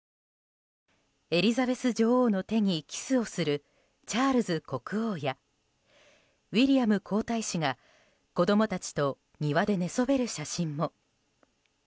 エリザベス女王の手にキスをするチャールズ国王やウィリアム皇太子が子供たちと庭で寝そべる写真も。